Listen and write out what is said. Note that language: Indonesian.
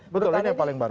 betul ini yang paling baru